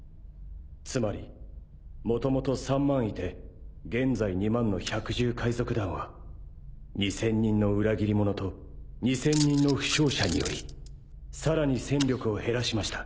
つまりもともと３万いて現在２万の百獣海賊団は２，０００人の裏切り者と２，０００人の負傷者によりさらに戦力を減らしました。